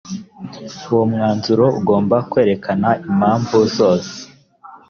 uwo mwanzuro ugomba kwerekana impamvu zose